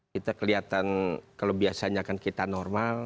kita kelihatan kalau biasanya kan kita normal